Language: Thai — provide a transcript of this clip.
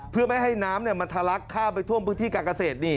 เพื่อไม่ให้น้ำมันทะลักข้ามไปท่วมพื้นที่การเกษตรนี่